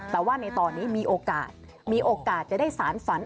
แต่ว่าในตอนนี้มีโอกาสมีโอกาสจะได้สารฝัน